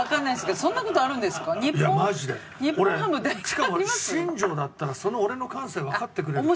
しかも新庄だったらその俺の感性わかってくれる気がする。